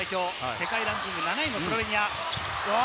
世界ランキング７位のスロベニア。